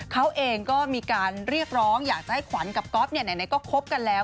เขาเองก็มีการเรียกร้องอยากจะให้ขวัญกับก๊อฟไหนก็คบกันแล้ว